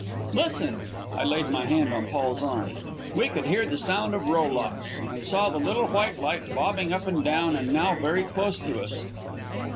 "Listen!" I laid my hand on Paul's arm. We could hear the sound of rowlocks, and saw the little white light bobbing up and down and now very close to us.